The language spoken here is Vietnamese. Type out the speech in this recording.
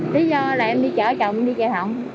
lý do là em đi chở chồng đi giao thông